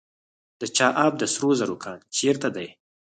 د چاه اب د سرو زرو کان چیرته دی؟